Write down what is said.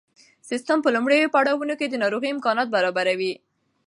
سیسټم په لومړیو پړاوونو کې د ناروغۍ امکانات برابروي.